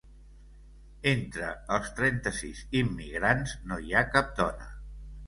Entre els trenta-sis immigrants no hi ha cap dona.